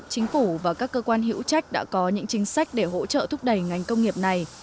chính phủ và các cơ quan hữu trách đã có những chính sách để hỗ trợ thúc đẩy ngành công nghiệp này